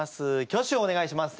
挙手をお願いします。